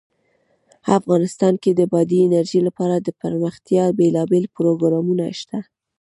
افغانستان کې د بادي انرژي لپاره دپرمختیا بېلابېل پروګرامونه شته.